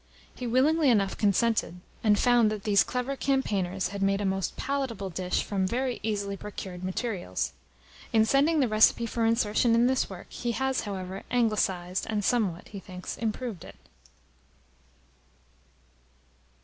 He willingly enough consented, and found that these clever campaigners had made a most palatable dish from very easily procured materials. In sending the recipe for insertion in this work, he has, however, Anglicised, and somewhat, he thinks, improved it.